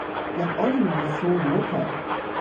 jan olin mi li suwi mute.